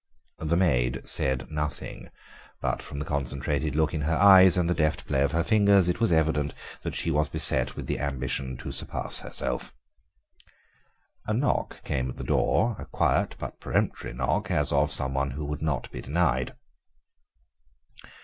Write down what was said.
The maid said nothing, but from the concentrated look in her eyes and the deft play of her fingers it was evident that she was beset with the ambition to surpass herself. A knock came at the door, a quiet but peremptory knock, as of some one who would not be denied.